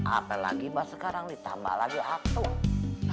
apa lagi bah sekarang ditambah lagi atuh